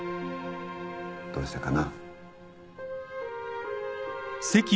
どうしてかな？